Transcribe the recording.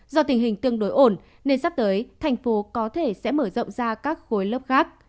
do tình hình tương đối ổn nên sắp tới thành phố có thể sẽ mở rộng ra các khối lớp khác